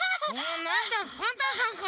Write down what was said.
なんだパンタンさんか。